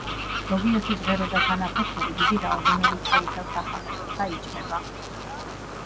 ზოგიერთის ღერო და თანაფოთლები დიდი რაოდენობით შეიცავს სახამებელს და იჭმება.